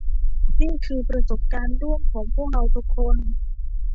นี่คือประสบการณ์ร่วมของพวกเราทุกคน